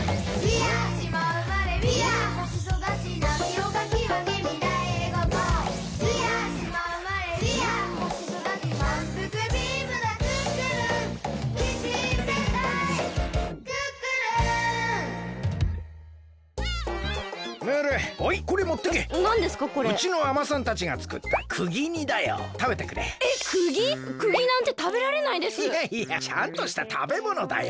いやいやちゃんとしたたべものだよ。